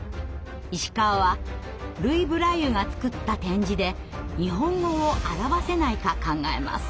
石川はルイ・ブライユが作った点字で日本語を表せないか考えます。